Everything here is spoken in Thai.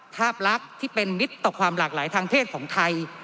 ภาพลักษณ์ที่เป็นมิตรต่อความหลากหลายทางเพศของไทย